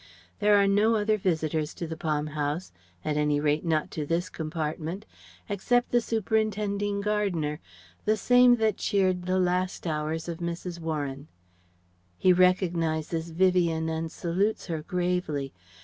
There are no other visitors to the Palm House, at any rate not to this compartment, except the superintending gardener the same that cheered the last hours of Mrs. Warren. He recognizes Vivien and salutes her gravely.